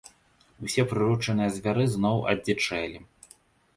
Усе прыручаныя звяры зноў адзічэлі.